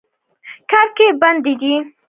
کړکۍ بنده ده.